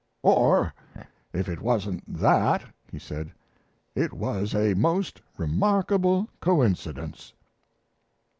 "Or, if it wasn't that," he said, "it was a most remarkable coincidence."